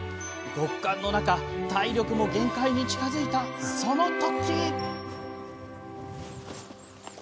極寒の中体力も限界に近づいた、その時。